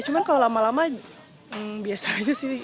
cuman kalau lama lama biasa aja sih